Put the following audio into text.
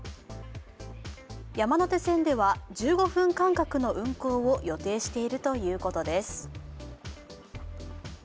山手線では１５分間隔の運行を予定しているということです。